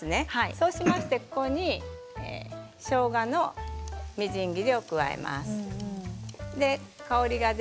空いたところにしょうがのみじん切りを加えます。